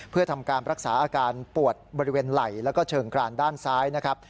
เพื่อทำการรักษาอาการปวดบริเวณไหล่แล้วก็เชิงกรานด้านซ้ายนะครับ